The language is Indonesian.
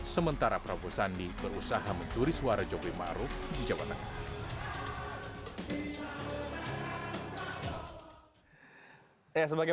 jelang pencobosan yang tinggal sebulan lagi dua pasangan jokowi maru merupakan selamat